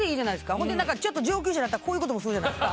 ほんで何かちょっと上級者だったらこういうこともするじゃないですか。